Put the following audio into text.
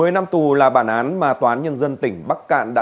một mươi năm tù là bản án mà toán nhân dân tỉnh bắc cạn đưa ra